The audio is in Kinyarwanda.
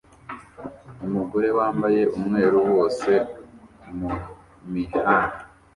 Umugore wambaye umweru wose mumihanda